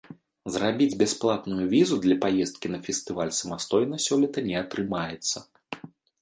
Зрабіць бясплатную візу для паездкі на фестываль самастойна сёлета не атрымаецца.